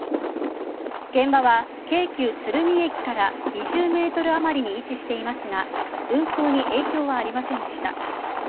現場は京急鶴見駅から２０ｍあまりに位置していますが運行に影響はありませんでした。